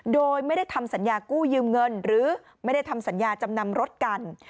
โดยไม่ได้ทำสัญญากู้ยืมเงินหรือไม่ได้ทำสัญญาจำนำรถกัน